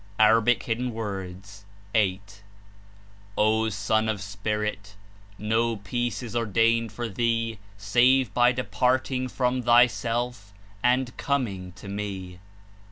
(A. 8.) '^O Son of Spirit/ No peace is ordained for thee save by departing from thyself and coming to Me."